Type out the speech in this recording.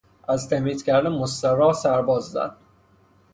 از تمیز کردن مستراح سرباز زد.